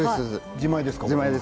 自前です。